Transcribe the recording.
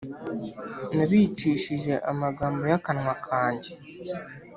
Nabicishije amagambo y akanwa kanjye .